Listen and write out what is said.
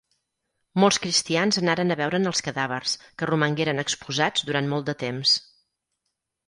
Molts cristians anaren a veure'n els cadàvers, que romangueren exposats durant molt de temps.